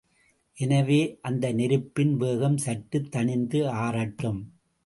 எனவே அந்த நெருப்பின் வேகம் சற்றுத் தணிந்து ஆறட்டும்.